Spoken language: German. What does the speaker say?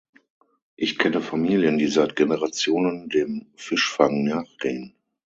Ich kenne Familien, die seit Generationen dem Fischfang nachgehen.